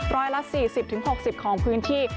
ร้อยละสี่สิบถึงหกสิบของพื้นที่